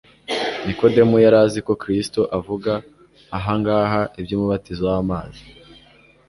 Nikodemo yari azi ko Kristo avuga ahangaha iby’umubatizo w’amazi